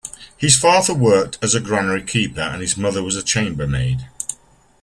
His father worked as a granary keeper and his mother was a chambermaid.